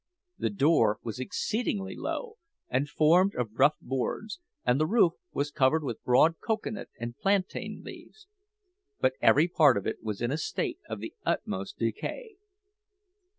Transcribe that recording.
The door was exceedingly low, and formed of rough boards, and the roof was covered with broad cocoa nut and plantain leaves. But every part of it was in a state of the utmost decay.